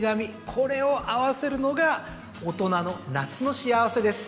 これを合わせるのが大人の夏の幸せです。